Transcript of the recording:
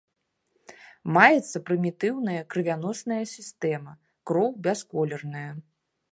Маецца прымітыўная крывяносная сістэма, кроў бясколерная.